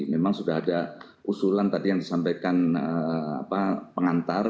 memang sudah ada usulan tadi yang disampaikan pengantar